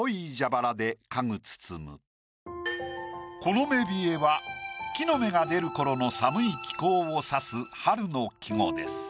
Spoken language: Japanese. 「木の芽冷え」は木の芽が出る頃の寒い気候を指す春の季語です。